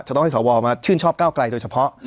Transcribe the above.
ต้องให้สวมาชื่นชอบก้าวไกลโดยเฉพาะ